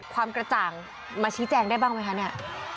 ความกระจ่างมาชี้แจงได้บ้างไหมคะเนี่ย